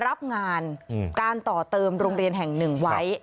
รับงานการต่อเติมโรงเรียนแห่งหนึ่งไว้